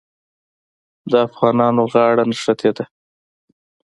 د افغانانو غاړه نښتې ده.